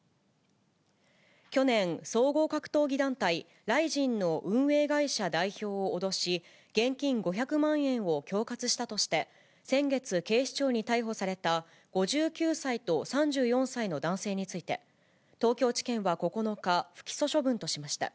去年、総合格闘技団体、ライジンの運営会社代表を脅し、現金５００万円を恐喝したとして、先月、警視庁に逮捕された、５９歳と３４歳の男性について、東京地検は９日、不起訴処分としました。